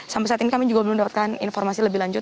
sampai saat ini kami juga belum mendapatkan informasi lebih lanjut